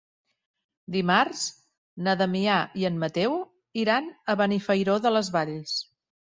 Dimarts na Damià i en Mateu iran a Benifairó de les Valls.